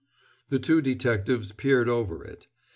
The two detectives peered over it.